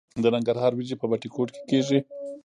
د ننګرهار وریجې په بټي کوټ کې کیږي.